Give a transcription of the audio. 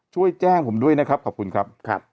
ช่วยแจ้งผมด้วยนะครับขอบคุณครับ